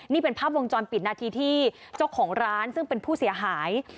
นี่เป็นภาพวงจรปิดนาทีที่เจ้าของร้านซึ่งเป็นผู้เสียหาย